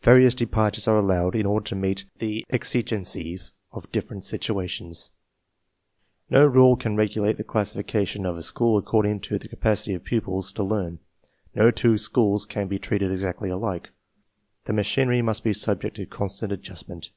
Various de partures are allowed in order to meet the exigencies of different situations. No rule can regulate the classifica tion of a school according to the capacity of pupils to learn; no two schools can be treated exactly alike; the machinery must be subject to constant adjustment.